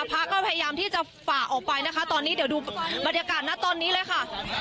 พระก็พยายามที่จะฝ่าออกไปนะคะตอนนี้เดี๋ยวดูบรรยากาศนะตอนนี้เลยค่ะ